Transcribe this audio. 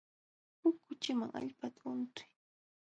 Huk kuchim allpata untun.